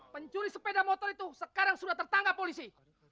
pencuri sepeda motor itu sekarang sudah tertangkap polisi